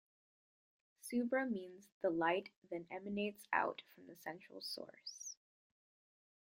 "Subra" means "the light than emanates out from the central source.